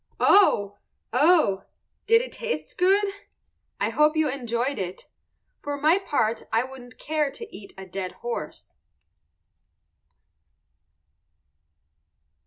Oh! oh! Did it taste good? I hope you enjoyed it. For my part I wouldn't care to eat a dead horse.